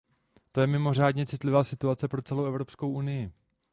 To je mimořádně citlivá situace pro celou Evropskou unii.